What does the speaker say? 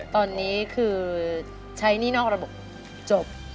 ตอนนี้คือใช้หนี้นอกระบบจบ